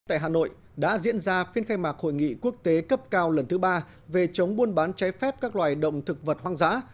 tại hà nội đã diễn ra phiên khai mạc hội nghị quốc tế cấp cao lần thứ ba về chống buôn bán trái phép các loài động thực vật hoang dã